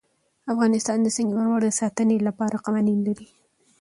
افغانستان د سنگ مرمر د ساتنې لپاره قوانین لري.